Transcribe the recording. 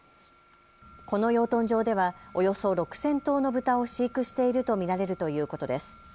この養豚場ではおよそ６０００頭の豚を飼育していると見られるということです。